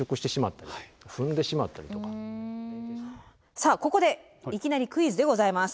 さあここでいきなりクイズでございます。